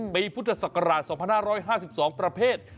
ปีพุทธศักราช๒๕๕๒ประเภท